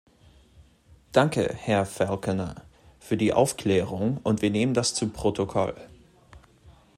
Danke, Herr Falconer, für die Aufklärung, und wir nehmen das zu Protokoll.